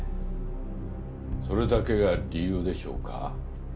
それだけが理由でしょうか。